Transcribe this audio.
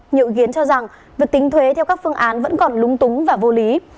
nhiều ý kiến cho rằng việc tính thuế theo các phương án vẫn còn lúng túng và vô lý